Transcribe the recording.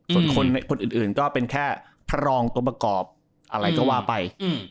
ส่วนคนอื่นก็เป็นแค่พระรองตัวประกอบอะไรก็ว่าไป